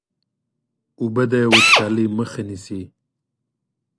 اوبه د وچکالۍ مخه نیسي.